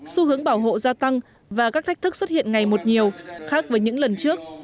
xu hướng bảo hộ gia tăng và các thách thức xuất hiện ngày một nhiều khác với những lần trước